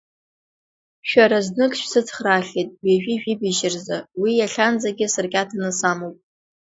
Шәара знык шәсыцхраахьеит ҩажәи жәибжь рзы, уи иахьанӡагьы сыркьаҭаны самоуп.